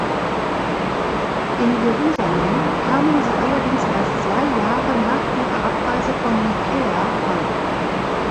In Jerusalem kamen sie allerdings erst zwei Jahre nach ihrer Abreise von Nicäa an.